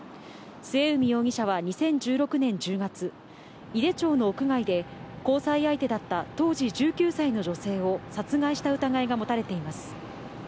末海容疑者は２０１６年１０月、井手町の屋外で、交際相手だった当時１９歳の女性を殺害した疑いが持たれています。